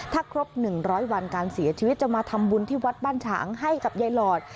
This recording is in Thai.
ถ้าครบ๑๐๐วันการเสียชีวิตจะมาทำบุญที่วัดบ้านฉางให้กับยายหลอด